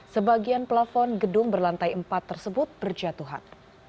sebagian pelafon gedung berlantai empat tersebut berjatuhan